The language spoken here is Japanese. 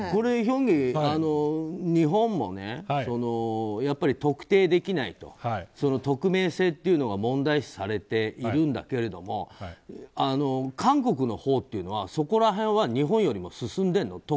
ヒョンギ、日本もねやっぱり特定できないと匿名性というのが問題視されているんだけれども韓国のほうはそこら辺は日本よりも進んでるの？